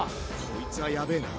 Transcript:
こいつはやべえな。